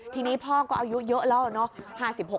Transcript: ทีนี้พ่อก็อายุเยอะแล้วอะเนาะ